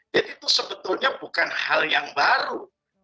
jadi itu sebetulnya bukan hal yang baru